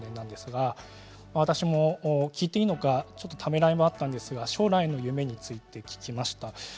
私も聞いていいのかちょっとためらいもあったんですが将来の夢について聞きました。